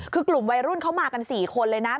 คือกลุ่มวัยรุ่นเขามากัน๔คนเลยนะ